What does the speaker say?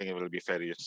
ini akan menjadi sukses